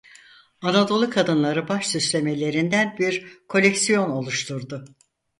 Anadolu kadınları baş süslemelerinden bir koleksiyon oluşturdu.